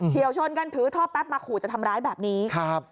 เชี่ยวชนกันถือท่อแป๊บมาขู่จะทำร้ายแบบนี้ครับ